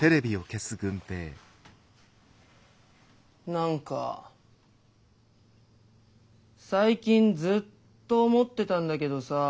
なんか最近ずっと思ってたんだけどさぁ